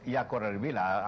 ya kurang lebih lah